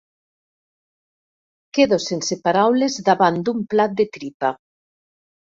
Quedo sense paraules davant d'un plat de tripa.